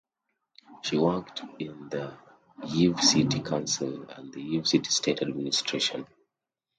She worked in the Kyiv City Council and the Kyiv City State Administration.